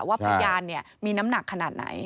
ว่าพยานมีน้ำหนักขนาดไหน